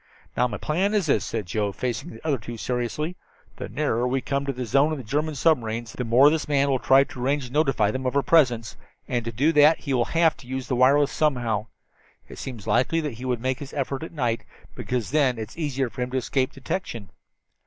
"Now my plan is this," said Joe, facing the other two seriously. "The nearer we come to the zone of the German submarines, the more this man will try to arrange to notify them of our presence, and to do that he will have to use the wireless somehow. It seems likely that he would make his effort at night, because then it is easier for him to escape detection.